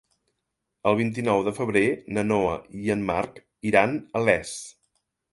El vint-i-nou de febrer na Noa i en Marc iran a Les.